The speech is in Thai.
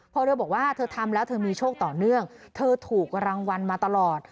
พอเธอบอกว่าเธอทำแล้วเธอมีโชคต่อเนื่องเธอถูกรางวัลมาตลอด